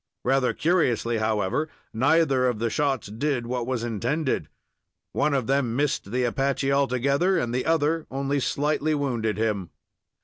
Rather curiously, however, neither of the shots did what was intended. One of them missed the Apache altogether, and the other only slightly wounded him.